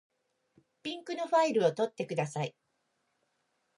ピンクのファイルを取ってください。